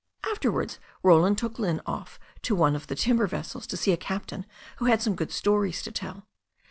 Afterwards Roland took Lynne off to one of the timber vessels to see a captain who had some good stories to tell.